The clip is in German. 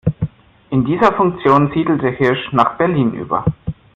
In dieser Funktion siedelte Hirsch nach Berlin über.